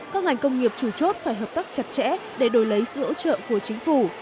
các ngành công nghiệp chủ chốt phải hợp tác chặt chẽ để đổi lấy sự hỗ trợ của chính phủ